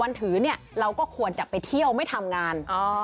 ถือเนี่ยเราก็ควรจะไปเที่ยวไม่ทำงาน